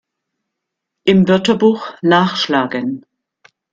Im Wörterbuch nachschlagen!